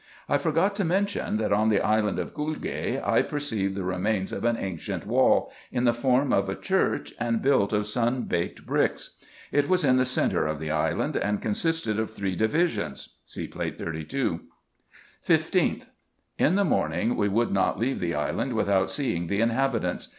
I forgot to mention that on the island Gulge I perceived the remains of an ancient wall, in the form of a church, and built of sun baked bricks. It was in the centre of the island, and consisted of three divisions. — See Plate 32. 15th. — In the morning we would not leave the island without seeing the inhabitants.